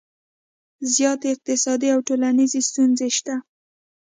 زیاتې اقتصادي او ټولنیزې ستونزې شته